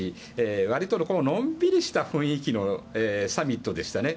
割とのんびりした雰囲気のサミットでしたね。